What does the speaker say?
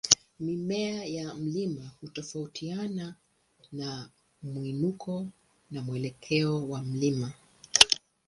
Mimea ya mlima hutofautiana na mwinuko na mwelekeo wa mlima.